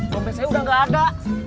dompet saya udah gak ada